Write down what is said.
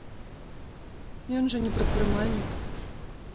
Ён жа не прадпрымальнік.